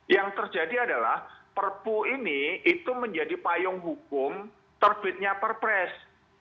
yang terjadi adalah perpu ini itu menjadi payung hukum terbitnya perpres